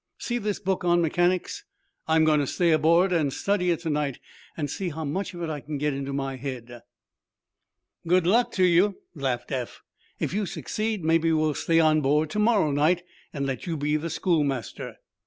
See this book on mechanics? I'm going to stay aboard and study it to night, and see how much of it I can get into my head." "Good luck to you," laughed Eph. "If you succeed, maybe we'll stay on board to morrow night and let you be schoolmaster.